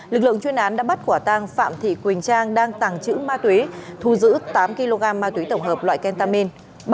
lực lượng chuyên án đã bắt quả tang phạm thị quỳnh trang đang tàng trữ ma túy thu giữ tám kg ma túy tổng hợp loại kentamin